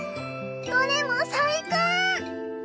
どれも最高！